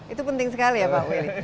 itu penting sekali ya pak willy